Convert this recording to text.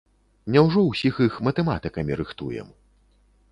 Няўжо ўсіх іх матэматыкамі рыхтуем?